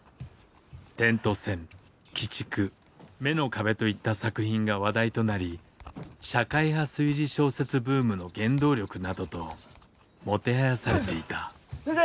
「点と線」「鬼畜」「眼の壁」といった作品が話題となり社会派推理小説ブームの原動力などともてはやされていた先生！